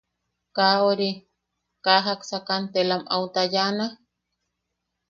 ¿Kaa... ori... kaa jaksa kantelam au tayaʼana?